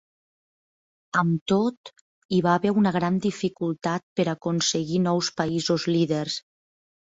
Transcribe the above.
Amb tot, hi va haver una gran dificultat per aconseguir nous països líders.